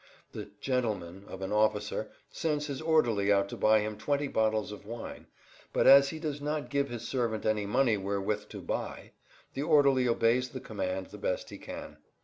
The "gentleman" of an officer sends his orderly out to buy him twenty bottles of wine, but as he does not give his servant any money wherewith to "buy," the orderly obeys the command the best he can.